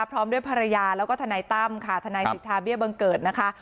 พร้อมด้วยภรรยาแล้วก็ทนายตั้มค่ะทนายสิทธาเบี้ยบังเกิดนะคะ